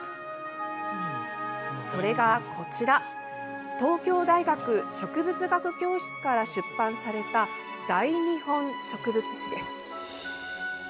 それが、こちら東京大学植物学教室から出版された「大日本植物志」です。